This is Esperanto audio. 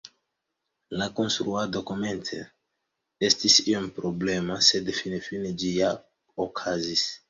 La konstruado komence estis iom problema, sed finfine ĝi ja okazis.